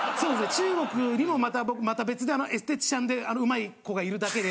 中国にもまた僕また別でエステティシャンで上手い子がいるだけで。